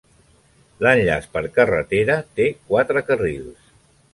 L'enllaç per carretera té quatre carrils.